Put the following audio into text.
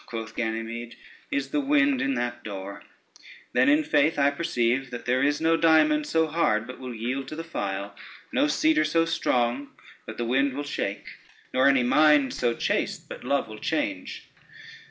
quoth Ganymede, "is the wind in that door? then in faith I perceive that there is no diamond so hard but will yield to the file, no cedar so strong but the wind will shake, nor any mind so chaste but love will change.